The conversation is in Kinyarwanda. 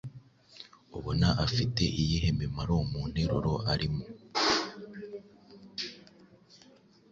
Ubona afite iyihe mimaro mu nteruro arimo?